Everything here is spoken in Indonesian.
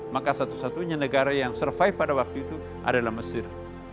maka satu satunya negara yang survive pada waktu itu adalah mesir